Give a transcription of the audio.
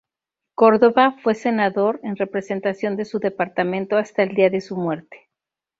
Córdoba fue senador en representación de su departamento, hasta el día de su muerte.